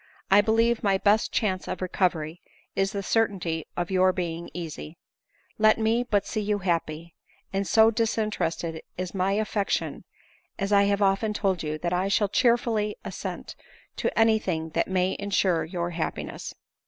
I believe my best chance of recovery is the certainty of your being easy. Let me but see you happy, and so disinterested is my affection, as ADELINE MOWBRAY. 128 I have often told you, that I shall cheerfully assent to any thing that may insure your happiness."